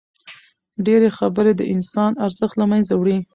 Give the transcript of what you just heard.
ډېري خبري د انسان ارزښت له منځه وړي.